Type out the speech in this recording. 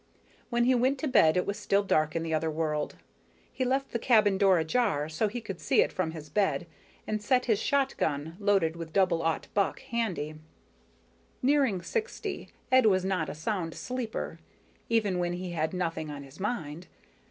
When he went to bed it was still dark in the other world. He left the cabin door ajar so he could see it from his bed and set his shotgun, loaded with 00 buck, handy. Nearing sixty, Ed was not a sound sleeper, even when he had nothing on his mind.